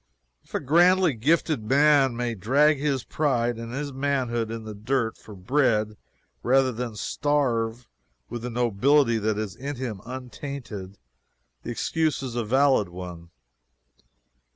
If a grandly gifted man may drag his pride and his manhood in the dirt for bread rather than starve with the nobility that is in him untainted, the excuse is a valid one.